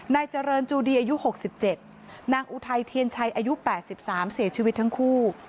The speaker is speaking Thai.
ในเจริญจูดีอายุหกสิบเจ็ดนางอุทัยเทียนชัยอายุแปดสิบสามเสียชีวิตทั้งคู่